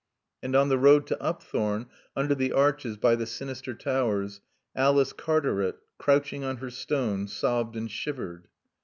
And on the road to Upthorne, under the arches by the sinister towers, Alice Cartaret, crouching on her stone, sobbed and shivered.